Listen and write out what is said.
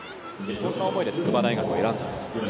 そんな思いで筑波大学を選んだと。